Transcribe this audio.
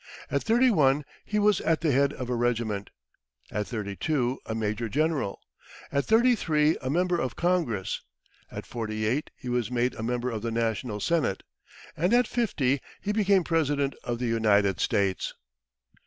At thirty one he was at the head of a regiment; at thirty two, a major general; at thirty three, a Member of Congress; at forty eight he was made a Member of the National Senate; and at fifty he became President of the United States.